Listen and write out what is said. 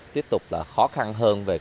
tiếp tục là khó khăn hơn về